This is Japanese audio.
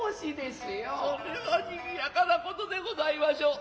それは賑やかなことでございましょう。